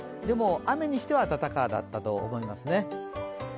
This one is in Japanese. でも、雨にしては暖かだったと思いますね。